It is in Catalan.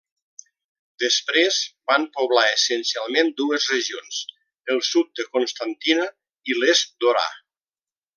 Després van poblar essencialment dues regions: el sud de Constantina i l'est d'Orà.